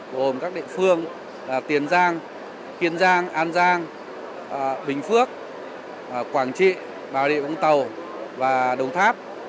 gồm các địa phương tiền giang kiên giang an giang bình phước quảng trị bà địa vũng tàu và đồng tháp